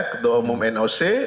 ketua umum noc